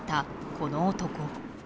この男。